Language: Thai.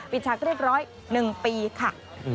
ฉากเรียบร้อย๑ปีค่ะ